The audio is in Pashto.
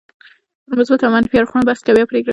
پر مثبتو او منفي اړخونو بحث کوي او پرېکړه کوي.